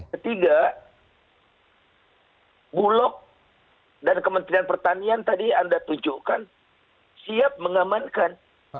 ketiga bulog dan kementerian pertanian tadi anda tunjukkan siap mengamankan